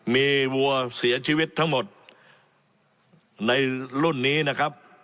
มีวัวเสียชีวิตทั้งหมดในรุ่นนี้นะครับ